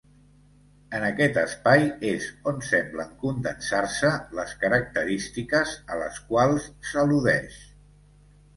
En aquest espai és on semblen condensar-se les característiques a les quals s'al·ludeix.